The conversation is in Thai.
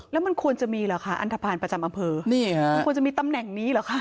แล้วมันควรจะมีเหรอคะอันทภาณประจำอำเภอนี่ค่ะมันควรจะมีตำแหน่งนี้เหรอคะ